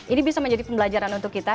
ini bisa menjadi pembelajaran untuk kita